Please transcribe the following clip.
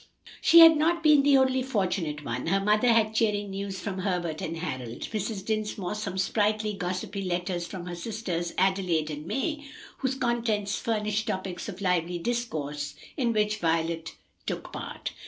She had not been the only fortunate one; her mother had cheering news from Herbert and Harold, Mrs. Dinsmore some sprightly, gossipy letters from her sisters Adelaide and May, whose contents furnished topics of lively discourse, in which Violet took part.